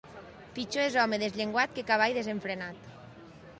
Pitjor és home desllenguat que cavall desenfrenat.